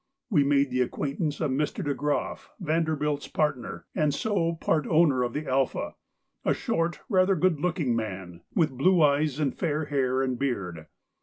We made the acquaintance of Mr. De Groff, Vanderbilt's partner, and so part owner of the 'Alpha,' a short, rather good looking man, with blue eyes and fair hair and beard.